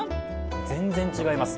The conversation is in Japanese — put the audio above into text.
全然違います。